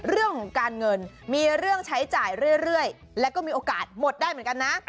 เรื่องของการเงินมีเรื่องใช้จ่ายเรื่อยแล้วก็มีโอกาสหมดได้เหมือนกันนะ